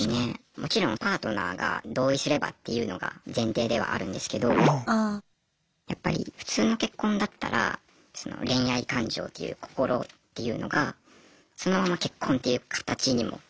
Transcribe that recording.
もちろんパートナーが同意すればっていうのが前提ではあるんですけどやっぱり普通の結婚だったらその恋愛感情っていう心っていうのがそのまま結婚っていう形にもつながっていくと思うんですけど。